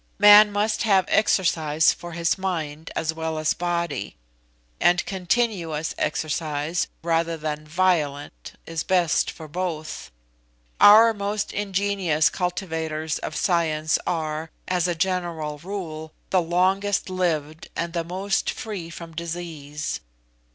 Man must have exercise for his mind as well as body; and continuous exercise, rather than violent, is best for both. Our most ingenious cultivators of science are, as a general rule, the longest lived and the most free from disease.